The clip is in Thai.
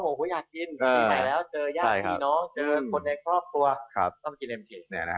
มีใครแล้วเจอยากที่น้องเจอคนในครอบครัวก็มากินเอ็มเค